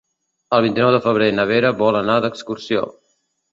El vint-i-nou de febrer na Vera vol anar d'excursió.